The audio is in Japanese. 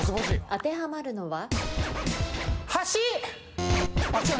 当てはまるのは？